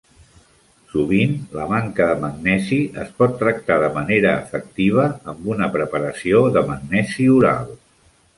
Sovint, la manca de magnesi es pot tractar de manera efectiva amb una preparació de magnesi oral.